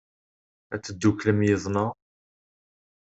Ad tedduklemt yid-neɣ?